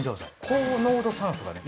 高濃度酸素がね